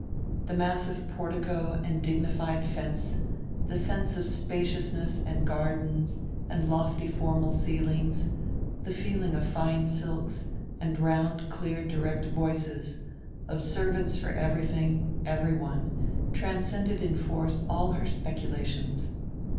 The massive portico and dignified fence, the sense of spaciousness and gardens and lofty formal ceilings, the feeling of fine silks and round clear direct voices, of servants for everything, everyone, transcended in force all her speculations.